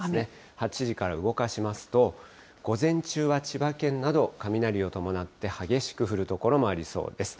８時から動かしますと、午前中は千葉県など、雷を伴って激しく降る所もありそうです。